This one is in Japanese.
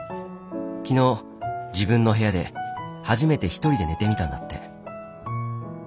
昨日自分の部屋で初めて一人で寝てみたんだって。